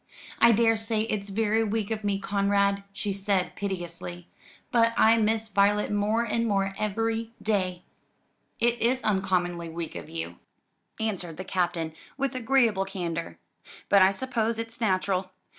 "I daresay it's very weak of me, Conrad," she said piteously, "but I miss Violet more and more every day." "It is uncommonly weak of you," answered the Captain with agreeable candour, "but I suppose it's natural.